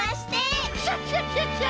クシャシャシャシャ！